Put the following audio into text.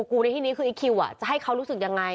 กูในที่นี้คือไอ้คิวจะให้เขารู้สึกยังไง